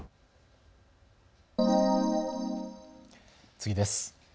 次です。